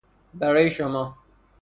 برای شما